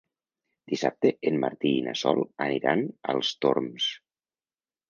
Dissabte en Martí i na Sol aniran als Torms.